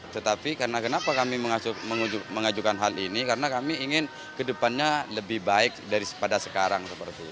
tetapi kenapa kami mengajukan hal ini karena kami ingin kedepannya lebih baik daripada sekarang